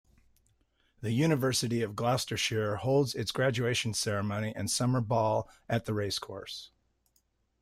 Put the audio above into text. The University of Gloucestershire holds its graduation ceremony and summer ball at the racecourse.